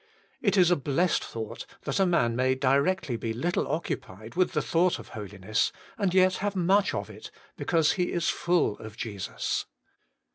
It is a blessed thought that a man may directly be little occupied with the thought of holiness, and yet have much of it, because he is full of Jesus.